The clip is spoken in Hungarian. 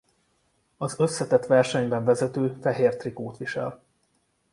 Az összetett versenyben vezető fehér trikót visel.